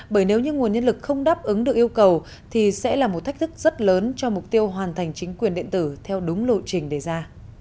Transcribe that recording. bởi nếu như nguồn nhân lực không đáp ứng được yêu cầu thì sẽ là một thách thức rất lớn cho mục tiêu hoàn thành chính quyền điện tử theo đúng lộ trình đề ra